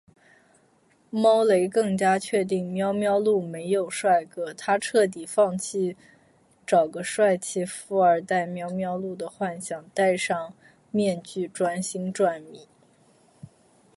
猫雷更加确定喵喵露没有帅哥，她彻底放弃找个帅气富二代喵喵露的幻想，戴上面具专心赚米